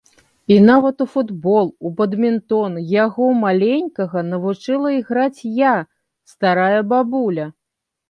І нават у футбол, у бадмінтон яго маленькага навучыла іграць я, старая бабуля.